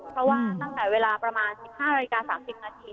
เพราะว่าตั้งแต่เวลาประมาณ๑๕นาฬิกา๓๐นาที